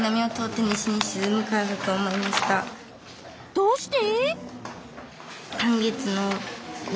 どうして？